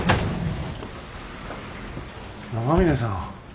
長嶺さん。